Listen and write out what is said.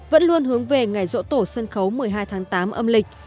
vẫn luôn hướng về ngày rỗ tổ sân khấu một mươi hai tháng tám âm lịch